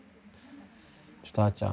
ちょっとあーちゃん